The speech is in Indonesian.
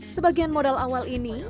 sebagian modal awal ini